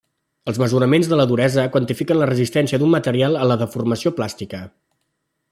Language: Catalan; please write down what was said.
Els mesuraments de la duresa quantifiquen la resistència d'un material a la deformació plàstica.